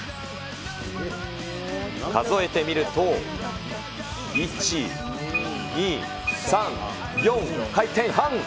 数えてみると、１、２、３、４回転半。